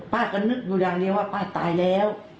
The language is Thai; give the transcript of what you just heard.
ป้าก็นึกอยู่อย่างเดียวว่าป้าตายแล้ว